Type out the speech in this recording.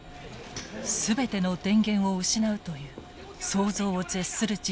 全ての電源を失うという想像を絶する事態。